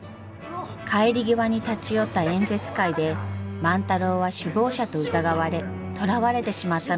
帰り際に立ち寄った演説会で万太郎は首謀者と疑われ捕らわれてしまったのです。